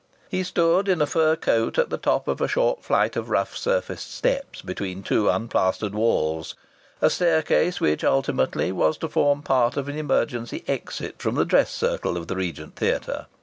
He stood, in a fur coat, at the top of a short flight of rough surfaced steps between two unplastered walls a staircase which ultimately was to form part of an emergency exit from the dress circle of the Regent Theatre.